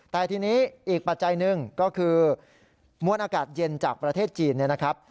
แต่ทีนี้อีกปัจจัยหนึ่งก็คือมวลอากาศเย็นจากประเทศจีนเนี่ยนะครับ